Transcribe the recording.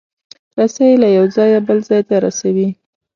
رسۍ له یو ځایه بل ځای ته رسوي.